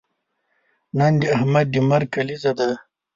نن د احمد د مرګ کلیزه ده.